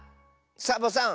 サボさん